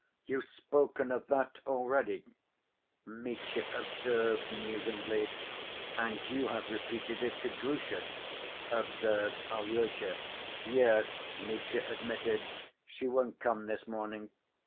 "You've spoken of that already," Mitya observed musingly. "And you have repeated it to Grusha," observed Alyosha. "Yes," Mitya admitted. "She won't come this morning."